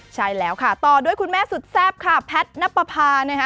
ใช่แล้วค่ะต่อด้วยคุณแม่สุดแซ่บค่ะแพทนปภา